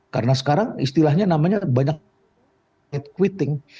karena sekarang istilahnya namanya banyak quitting